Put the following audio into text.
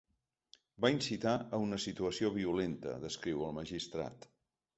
Va incitar a una situació violenta, descriu el magistrat.